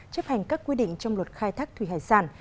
chấp hành các quy định trong luật khai thác thủy hải sản